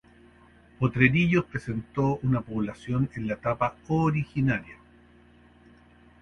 Potrerillos presentó población en la etapa originaria.